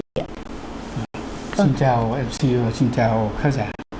xin chào mc và xin chào khán giả